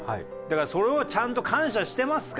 だからそれをちゃんと感謝してますか？と。